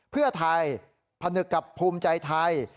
เพื่อไทยผนึกกับภูมิใจไทย